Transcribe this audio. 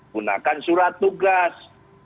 gunakan surat tugas